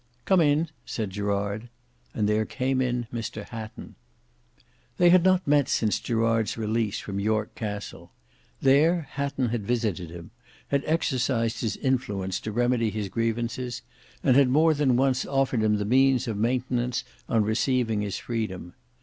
"Come in," said Gerard. And there came in Mr Hatton. They had not met since Gerard's release from York Castle. There Hatton had visited him, had exercised his influence to remedy his grievances, and had more than once offered him the means of maintenance on receiving his freedom.